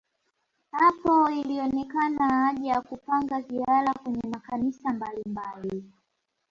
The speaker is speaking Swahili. Hapo ilionekana haja ya kupanga ziara kwenye makanisa mbalimbali